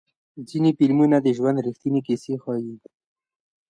ځینې فلمونه د ژوند ریښتینې کیسې ښیي.